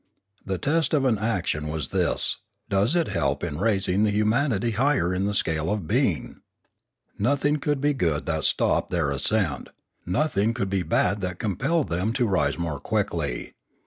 The test of an action was this: does it help in raising the humanity higher in the scale of being ? Nothing could be good that stopped their ascent ; nothing could be bad that compelled them to rise more quickly.